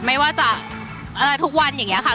ไม่ว่าจะอะไรทุกวันอย่างเงี้ยค่ะ